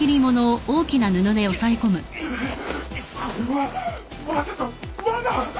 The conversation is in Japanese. これはまさかわな！？